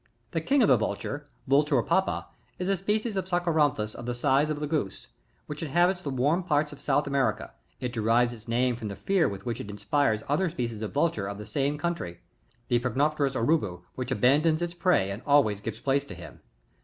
] 18. The King of the Vultures, — VnUur papoy — is a species of Sarcoramphus of the size of the goose, which inhabits the warm parts of South America ; it derives its name from the fear with which it inspires another species of Vulture of the same country, (the Percnopterus Urubu) which abandons its prey and always gives place to him.